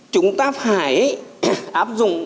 chúng ta phải áp dụng